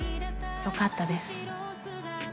よかったです